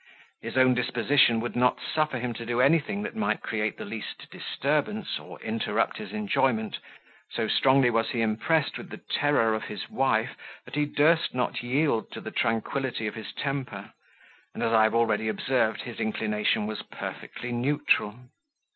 His own disposition would not suffer him to do anything that might create the least disturbance, or interrupt his enjoyment; so strongly was he impressed with the terror of his wife, that he durst not yield to the tranquility of his temper: and, as I have already observed, his inclination was perfectly neutral.